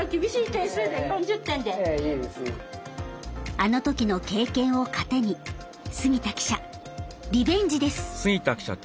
あの時の経験を糧に杉田記者リベンジです！